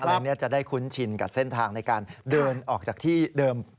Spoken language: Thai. อะไรอย่างนี้จะได้คุ้นชินกับเส้นทางในการเดินออกจากที่เดิม